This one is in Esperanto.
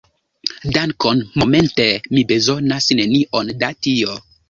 Dankon, momente mi bezonas nenion da tio.